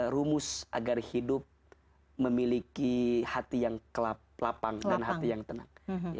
rumus agar hidup memiliki hati yang lapang dan hati yang tenang